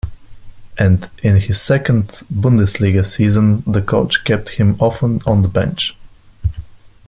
And in his second Bundesliga season the coach kept him often on the bench.